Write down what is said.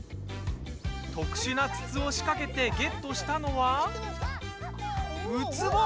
特殊な筒を仕掛けてゲットしたのはウツボ。